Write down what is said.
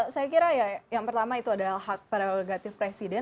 saya kira ya yang pertama itu adalah hak prerogatif presiden